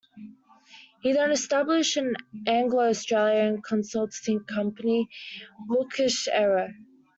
He then established an Anglo-Australian consultancy company, "Wilksch Aero".